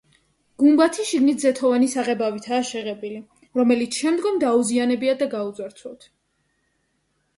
გუმბათი შიგნით ზეთოვანი საღებავითაა შეღებილი, რომელიც შემდგომ დაუზიანებიათ და გაუძარცვავთ.